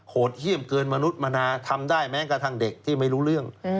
โหดเยี่ยมเกินมนุษย์มนาทำได้แม้กระทั่งเด็กที่ไม่รู้เรื่อง